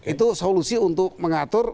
itu solusi untuk mengatur